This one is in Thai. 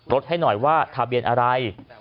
ให้หน่อยว่าทะเบียนอะไร